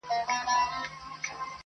• چي د حق ناره کړي پورته له ممبره,